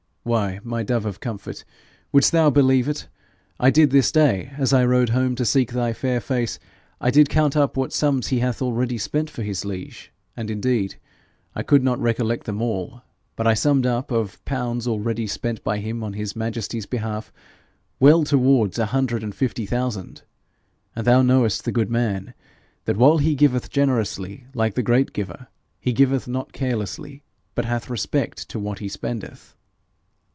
Why, my dove of comfort, wouldst thou believe it? I did this day, as I rode home to seek thy fair face, I did count up what sums he hath already spent for his liege; and indeed I could not recollect them all, but I summed up, of pounds already spent by him on his majesty's behalf, well towards a hundred and fifty thousand! And thou knowest the good man, that while he giveth generously like the great Giver, he giveth not carelessly, but hath respect to what he spendeth.'